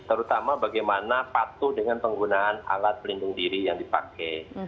terutama bagaimana patuh dengan penggunaan alat pelindung diri yang dipakai